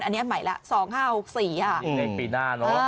อันนี้ใหม่แล้ว๑๒๓๖๔อะ